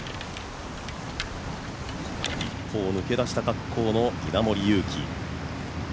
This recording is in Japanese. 一方、抜け出した格好の稲森佑貴。